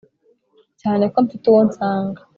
cyane ko mfite uwo nsanga